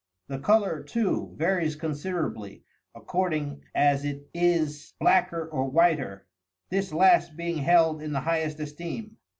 The colour, too, varies considerably, according as it is blacker or whiter ; this last being held in the highest esteem.